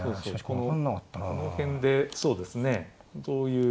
この辺でそうですねどういう。